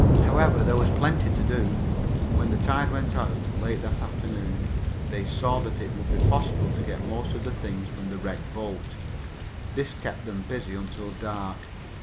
However, there was plenty to do. When the tide went out late that afternoon they saw that it would be possible to get most of the things from the wrecked boat. This kept them busy until dark.